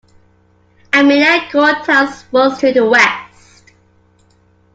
Amelia Court House was to the west.